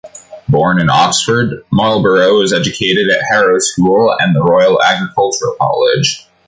Born in Oxford, Marlborough was educated at Harrow School and the Royal Agricultural College.